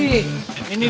ini ini buat lo nih